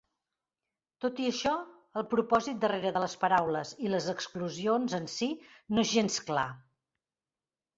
Tot i això, el propòsit darrere de les paraules i les exclusions en si no és gens clar.